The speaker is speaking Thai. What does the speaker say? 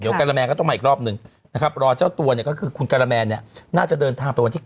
เดี๋ยวกลาแมนก็ต้องไปอีกรอบหนึ่งรอเจ้าตัวคือกลาแมนน่าเดินทางวันที่๙